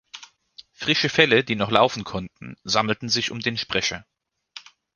Frische Fälle, die noch laufen konnten, sammelten sich um den Sprecher.